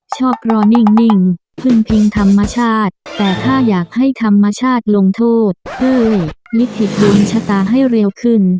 ชอบรอนิ่งพึ่งพิงธรรมชาติแต่ถ้าอยากให้ธรรมชาติลงโทษเอ้ยลิขิตดวงชะตาให้เร็วขึ้น